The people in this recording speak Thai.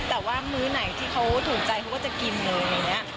แต่ว่ามื้อไหนที่เขาถูกใจเขาก็จะกินเลย